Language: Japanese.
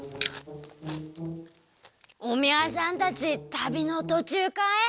おみゃさんたちたびのとちゅうかえ？